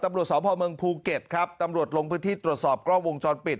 ตำรวจสพเมืองภูเก็ตครับตำรวจลงพื้นที่ตรวจสอบกล้องวงจรปิด